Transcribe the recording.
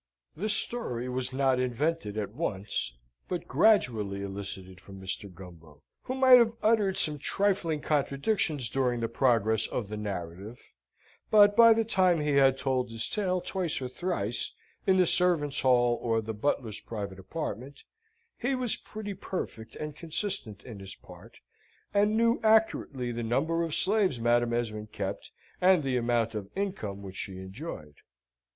This story was not invented at once, but gradually elicited from Mr. Gumbo, who might have uttered some trifling contradictions during the progress of the narrative, but by the time he had told his tale twice or thrice in the servants' hall or the butler's private apartment, he was pretty perfect and consistent in his part, and knew accurately the number of slaves Madam Esmond kept, and the amount of income which she enjoyed.